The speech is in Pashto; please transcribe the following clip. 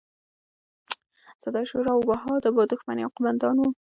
سداشیو راو بهاو د دښمن یو قوماندان و.